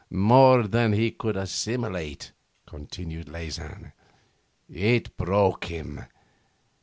'More than he could assimilate,' continued Leysin. 'It broke him.